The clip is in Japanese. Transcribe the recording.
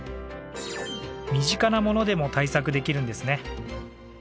身近なものでも対策できるんですね。